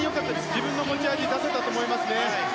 自分の持ち味を出せたと思います。